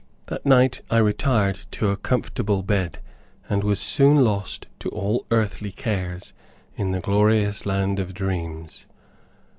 That night I retired to a comfortable bed, and was soon lost to all earthly cares in the glorious land of dreams.